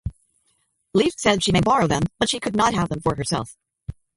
Leif said she may borrow them, but she could not have them for herself.